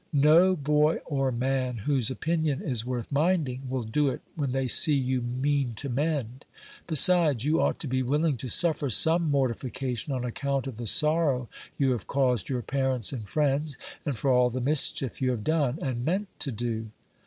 "No boy or man, whose opinion is worth minding, will do it when they see you mean to mend; besides, you ought to be willing to suffer some mortification on account of the sorrow you have caused your parents and friends, and for all the mischief you have done, and meant to do."